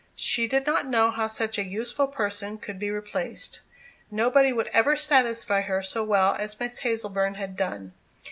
She did not know how such a useful person could be replaced. Nobody would ever satisfy her so well as Miss Hazleburn had done.